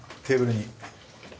テーブルに。